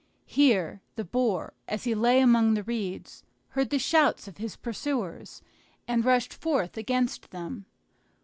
Here the boar, as he lay among the reeds, heard the shouts of his pursuers, and rushed forth against them.